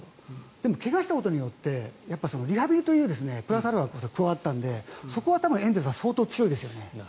でも怪我したことによってリハビリというプラスアルファが加わったのでそこは多分エンゼルスは相当強いですよね。